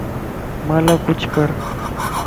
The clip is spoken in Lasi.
مان لا ڪچهه ڪر